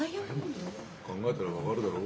考えたら分かるだろ？